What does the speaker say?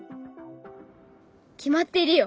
決まっているよ。